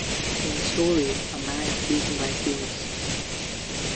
In the story a man is beaten by thieves.